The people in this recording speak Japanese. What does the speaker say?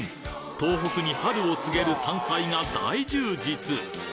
東北に春を告げる山菜が大充実！